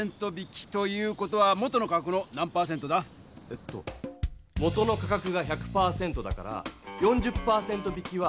えっと元の価格が１００％だから４０％引きは。